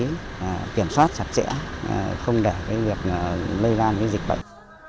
để kiểm soát chặt chẽ không để việc lây ra dịch bệnh